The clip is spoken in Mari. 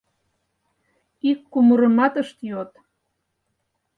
Ик кумырымат ышт йод.